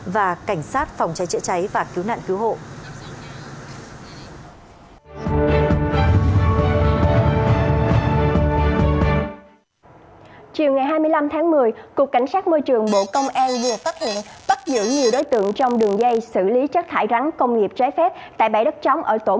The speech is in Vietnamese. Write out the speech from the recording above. và cảnh sát phòng cháy chữa cháy và cứu nạn cứu hộ